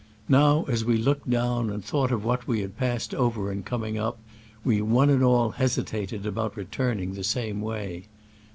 Now, as we look ed down, and thought of yvhat we had passed over in coming up, we one and all hesitated about returning the same way.